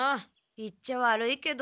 言っちゃ悪いけど。